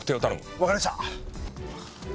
わかりました。